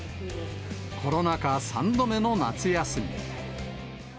コロナ禍３度目の夏休み。